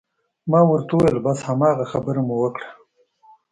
ما ورته وویل: بس هماغه خبره مو وکړه.